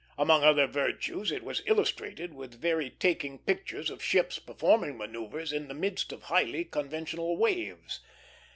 Among other virtues, it was illustrated with very taking pictures of ships performing manoeuvres in the midst of highly conventional waves.